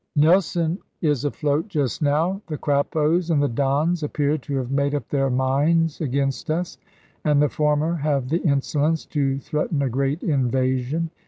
Nelson is afloat just now. The Crappos and the Dons appear to have made up their minds against us; and the former have the insolence to threaten a great invasion.